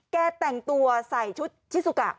แกแต่งตัวใส่ชุดชิสุกะ